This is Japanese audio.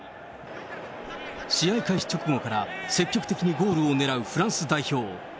試合開始直後から積極的にゴールを狙うフランス代表。